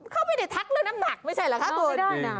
เขาไม่ได้ทักเรื่องน้ำหนักไม่ใช่เหรอคะคุณไม่ได้นะ